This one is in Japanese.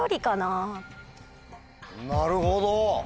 なるほど！